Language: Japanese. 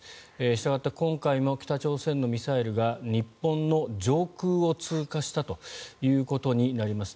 したがって今回も北朝鮮のミサイルが日本の上空を通過したということになります。